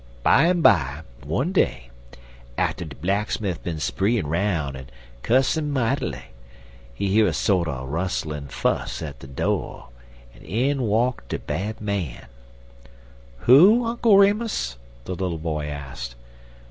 Bimeby, one day, atter de blacksmif bin spreein''roun' en cussin' might'ly, he hear a sorter rustlin' fuss at de do', en in walk de Bad Man." "Who, Uncle Remus?" the little boy asked.